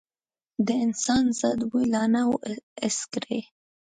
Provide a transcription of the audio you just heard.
د انسان ذات بوی لا نه و حس کړی.